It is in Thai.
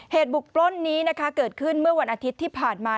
บุกปล้นนี้นะคะเกิดขึ้นเมื่อวันอาทิตย์ที่ผ่านมา